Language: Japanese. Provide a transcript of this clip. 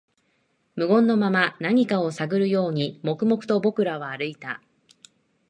無言のまま、何かを探るように、黙々と僕らは歩いた